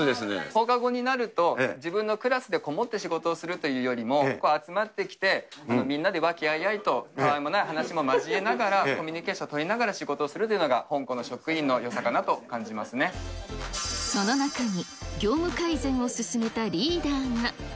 放課後になると、自分のクラスでこもって仕事をするというよりも、集まってきて、みんなで和気あいあいと、たわいもない話も交えながら、コミュニケーションを取りながら仕事をするというのが本校の職員その中に、業務改善を進めたリーダーが。